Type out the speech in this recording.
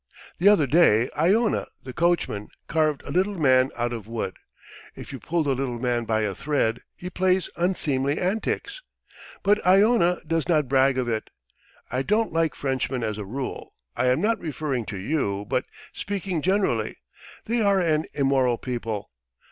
The other day Iona the coachman carved a little man out of wood, if you pull the little man by a thread he plays unseemly antics. But Iona does not brag of it. ... I don't like Frenchmen as a rule. I am not referring to you, but speaking generally. ... They are an immoral people!